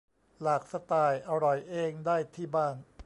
หลากสไตล์อร่อยเองได้ที่บ้าน